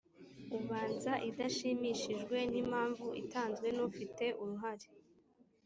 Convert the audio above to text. ubanza idashimishijwe n impamvu itanzwe n ufite uruhare